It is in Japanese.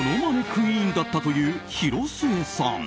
クイーンだったという広末さん。